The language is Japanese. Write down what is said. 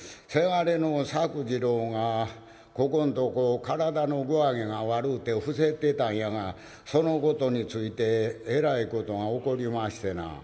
「倅の作治郎がここんとこ体の具合が悪うて伏せってたんやがそのことについてえらいことが起こりましてなぁ」。